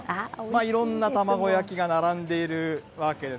いろんな玉子焼きが並んでいるわけです。